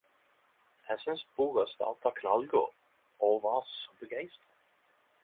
Eg synest boka startet knallgodt og varså begeistra.